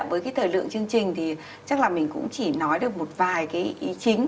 với cái thời lượng chương trình thì chắc là mình cũng chỉ nói được một vài cái ý chính